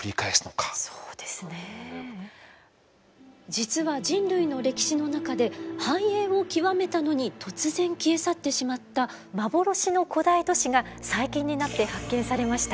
実は人類の歴史の中で繁栄を極めたのに突然消え去ってしまった幻の古代都市が最近になって発見されました。